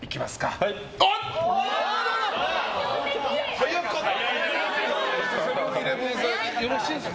早かった。